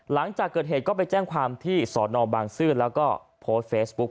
หลังจากเกิดเหตุก็ไปแจ้งความที่สอนอบางซื่อแล้วก็โพสต์เฟซบุ๊ค